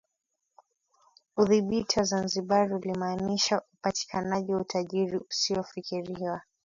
Udhibiti wa Zanzibar ulimaanisha upatikanaji wa utajiri usiofikiriwa